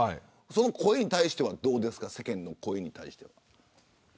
その声に対してはどうですか世間の声に対しては。